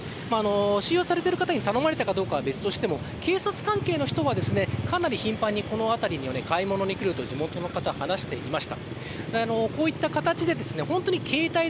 収容されている方に頼まれたかは別としても、警察関係の人はかなり頻繁に、この辺りには買い物に来ると地元の方は話していました。